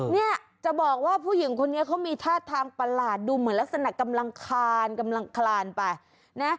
เนี่ยจะบอกว่าผู้หญิงคนนี้เขามีท่าทางประหลาดดูเหมือนลักษณะกำลังคานกำลังคลานไปนะ